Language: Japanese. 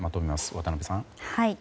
渡辺さん。